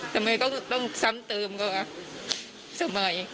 ทำไมต้องซ้ำเติมก็ทำไม